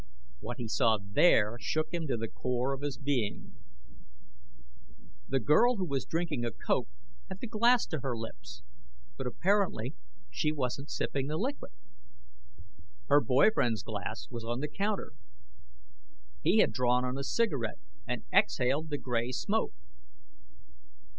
What he saw there shook him to the core of his being. The girl who was drinking a coke had the glass to her lips, but apparently she wasn't sipping the liquid. Her boy friend's glass was on the counter. He had drawn on a cigarette and exhaled the gray smoke.